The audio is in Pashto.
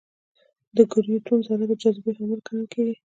د ګرویتون ذره د جاذبې حامل ګڼل کېږي.